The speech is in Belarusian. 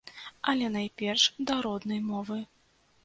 Але, найперш, да роднай мовы.